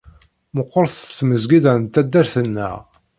Meqqert tmezgida n taddart-nneɣ.